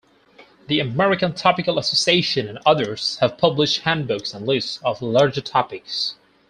The American Topical Association and others have published handbooks and lists of larger topics.